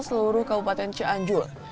seluruh kabupaten cianjur